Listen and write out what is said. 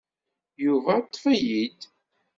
Yuba ṭṭef-iyi-d.